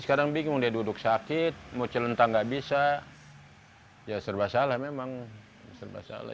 sekarang bingung dia duduk sakit mau celentang nggak bisa ya serba salah memang serba salah